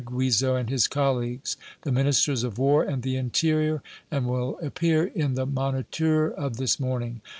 Guizot and his colleagues, the Ministers of War and the Interior, and will appear in the 'Moniteur' of this morning.